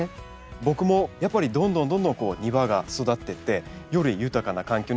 僕もやっぱりどんどんどんどん庭が育っていってより豊かな環境になってるなって。